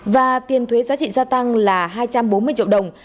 và tiền thuế giá trị gia tăng là hai trăm bốn mươi triệu đồng